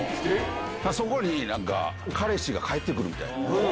そこになんか、彼氏が帰ってくるみたいな。